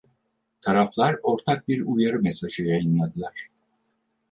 Taraflar ortak bir uyarı mesajı yayınladılar.